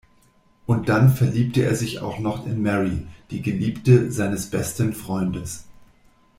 Und dann verliebt er sich auch noch in Mary, die Geliebte seines besten Freundes.